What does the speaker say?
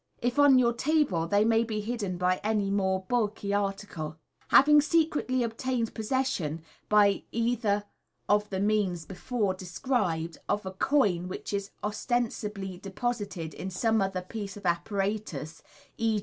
If on your table, they may be hidden by any more bulky article. Having secretly obtained possession, by either of the means before described, of a coin which is ostensibly deposited in some other piece of apparatus, e.